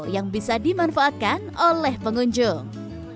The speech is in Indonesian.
yang bisa dimanfaatkan oleh pengunjung